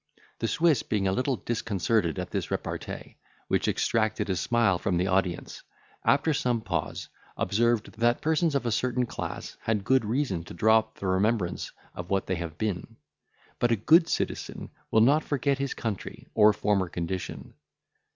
The Swiss being a little disconcerted at this repartee, which extracted a smile from the audience, after some pause, observed, that persons of a certain class had good reason to drop the remembrance of what they have been; but a good citizen will not forget his country, or former condition.